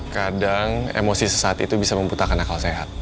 kadang emosi sesat itu bisa membutakan akal sehat